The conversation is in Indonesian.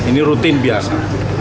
ini rutin biasa